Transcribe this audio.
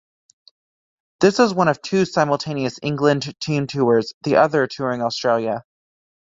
This was one of two simultaneous England team tours, the other touring Australia.